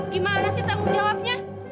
gimana sih tanggung jawabnya